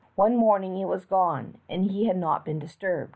One morning it was gone, and he had not been disturbed.